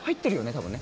多分ね。